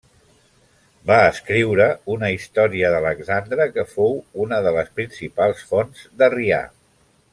Va escriure una història d'Alexandre que fou una de les principals fonts d'Arrià.